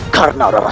karena rarasan aku